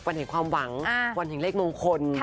วันแห่งความหวังวันแห่งเลขมงคล